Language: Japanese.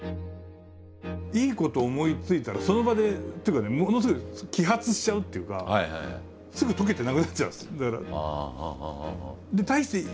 いいことを思いついたらその場でっていうかねものすごい揮発しちゃうっていうかすぐ溶けてなくなっちゃうんです。